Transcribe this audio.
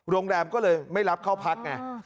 โรงแรมก็เลยไม่รับเข้าพักไง